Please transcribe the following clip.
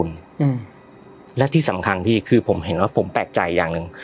อืมและที่สำคัญพี่คือผมเห็นว่าผมแปลกใจอย่างหนึ่ง